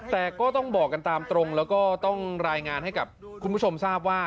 แต่ก็ต้องบอกกันตามตรงแล้วก็ต้องรายงานให้กับคุณผู้ชมทราบว่า